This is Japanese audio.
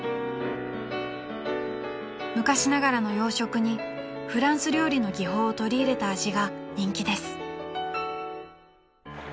［昔ながらの洋食にフランス料理の技法を取り入れた味が人気です］